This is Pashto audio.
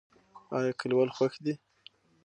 ایا کلیوال خوښ دي؟